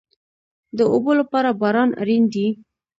د اوبو لپاره باران اړین دی